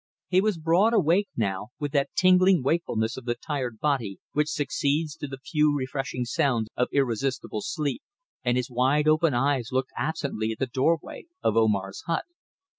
He was broad awake now, with that tingling wakefulness of the tired body which succeeds to the few refreshing seconds of irresistible sleep, and his wide open eyes looked absently at the doorway of Omar's hut.